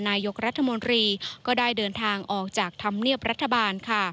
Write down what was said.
นายกรัฐมนตรีก็ได้เดินทางออกจากธรรมเนียบรัฐบาลค่ะ